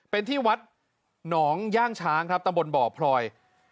เป็นที่วัดหนองย่างช้างครับตำบลบ่อพลอย